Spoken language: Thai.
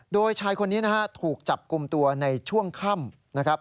โดยชายคนนี้นะฮะถูกจับกลุ่มตัวในช่วงค่ำนะครับ